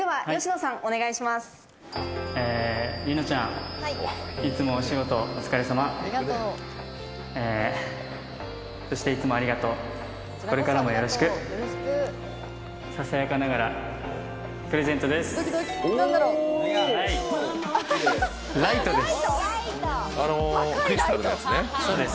ささやかながらプレゼントです。